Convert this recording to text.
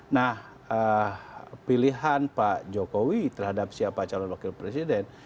nah pilihan pak jokowi terhadap siapa calon wakil presiden